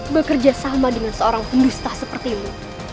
bekerja sama dengan seorang punggusta seperti lu